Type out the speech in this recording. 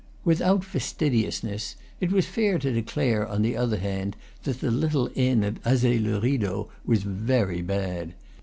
Without fastidiousness, it was fair to declare, on the other hand, that the little inn at Azay le Rideau was very bad.